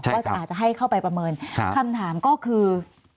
อาจจะให้เข้าไปประเมินคำถามก็คือ